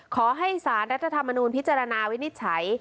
ขอให้สารรัฐธรรมนูญพิจารณาวินิจฉัย